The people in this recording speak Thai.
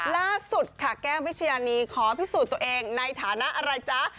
ล่าสุดค่ะแก้มวิชญานีขอพิสูจน์ตัวเองในฐานะอะไรจ๊ะ